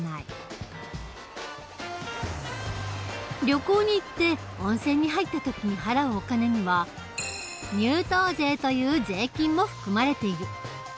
旅行に行って温泉に入った時に払うお金には入湯税という税金も含まれている。